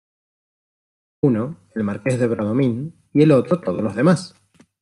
uno, el Marqués de Bradomín , y el otro todos los demás.